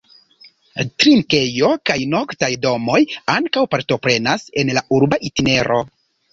Drinkejo kaj noktaj domoj ankaŭ partoprenas en la urba itinero.